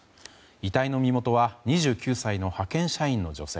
遺体の身元は２９歳の派遣社員の女性。